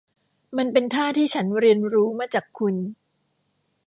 มันเป็นท่าที่ฉันเรียนรู้มาจากคุณ